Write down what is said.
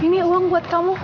ini uang buat kamu